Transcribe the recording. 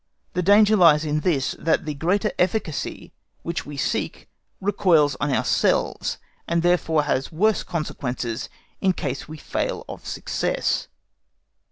The danger lies in this, that the greater efficacy which we seek recoils on ourselves, and therefore has worse consequences in case we fail of success.